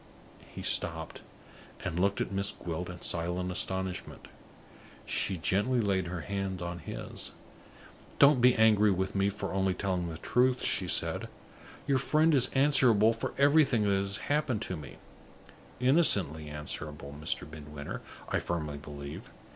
He stopped, and looked at Miss Gwilt in silent astonishment. She gently laid her hand on his. "Don't be angry with me for only telling the truth," she said. "Your friend is answerable for everything that has happened to me innocently answerable, Mr. Midwinter, I firmly believe.